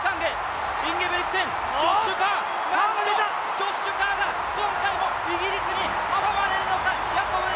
ジョッシュ・カーが、今回もイギリスに阻まれるのか。